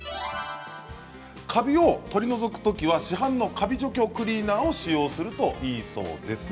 カビを取り除くときは市販のカビ除去クリーナーを使用するといいそうです。